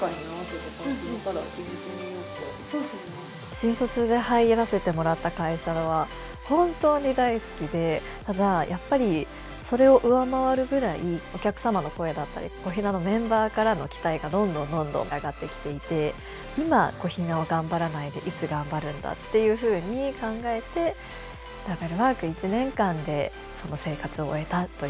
新卒で入らせてもらった会社は本当に大好きでただやっぱりそれを上回るぐらいお客様の声だったりＣＯＨＩＮＡのメンバーからの期待がどんどんどんどん上がってきていて今ＣＯＨＩＮＡを頑張らないでいつ頑張るんだっていうふうに考えてダブルワーク１年間でその生活を終えたという感じでした。